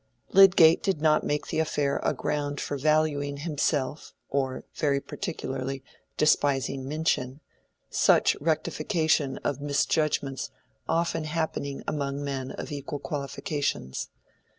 Lydgate did not make the affair a ground for valuing himself or (very particularly) despising Minchin, such rectification of misjudgments often happening among men of equal qualifications.